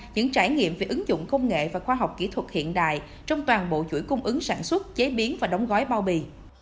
những trải nghiệm về ứng dụng công nghệ và khoa học kỹ thuật hiện đại trong toàn bộ chuỗi cung ứng sản xuất chế biến và đóng gói bao bì